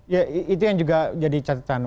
ya itu yang juga jadi catatan